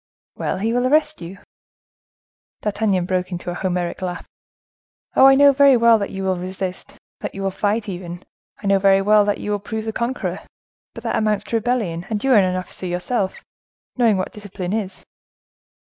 "Well, he will arrest you." D'Artagnan broke into a Homeric laugh. "Oh! I know very well that you will resist, that you will fight, even; I know very well that you will prove the conqueror; but that amounts to rebellion, and you are an officer yourself, knowing what discipline is."